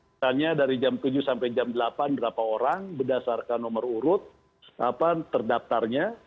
misalnya dari jam tujuh sampai jam delapan berapa orang berdasarkan nomor urut terdaftarnya